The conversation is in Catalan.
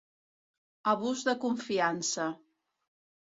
Abús de confiança.